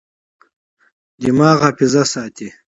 دماغ حافظه ساتي.